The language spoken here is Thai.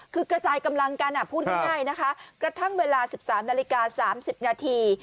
คือกระจายกำลังกันพูดง่ายนะคะกระทั่งเวลา๑๓นาฬิกา๓๐นาที